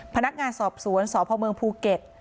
พนักงานสอบสวนสพเมืองภูเก็ต